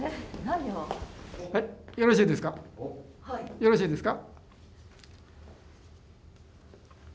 よろしいですか？